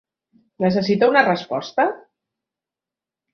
Necessita una resposta?